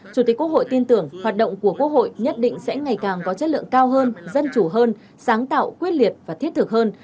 chủ tịch quốc hội tin tưởng hoạt động của quốc hội nhất định sẽ ngày càng có chất lượng cao hơn dân chủ hơn sáng tạo quyết liệt và thiết thực hơn